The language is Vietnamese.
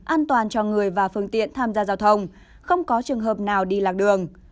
an toàn cho người và phương tiện tham gia giao thông không có trường hợp nào đi lạc đường